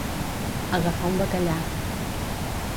Agafar un bacallà.